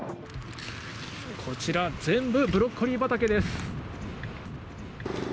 こちら、全部、ブロッコリー畑です。